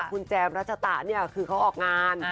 คุณแจมรัชตะเนี่ยคือเขาออกงาน